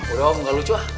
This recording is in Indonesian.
udah om gak lucu ah